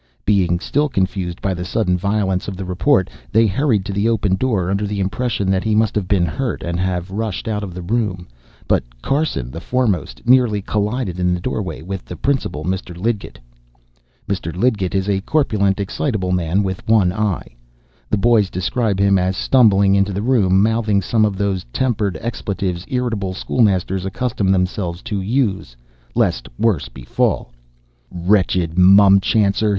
Being still confused by the sudden violence of the report, they hurried to the open door, under the impression that he must have been hurt, and have rushed out of the room. But Carson, the foremost, nearly collided in the doorway with the principal, Mr. Lidgett. Mr. Lidgett is a corpulent, excitable man with one eye. The boys describe him as stumbling into the room mouthing some of those tempered expletives irritable schoolmasters accustom themselves to use lest worse befall. "Wretched mumchancer!"